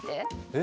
え？